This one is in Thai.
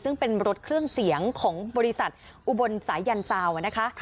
ซึ่งเป็นรถเครื่องเสียงของบริษัทอุบลสายันซาวนะคะ